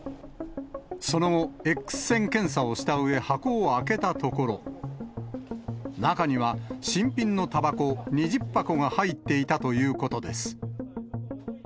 その後、Ｘ線検査をしたうえ、箱を開けたところ、中には新品のたばこ２０箱が入っていたということです。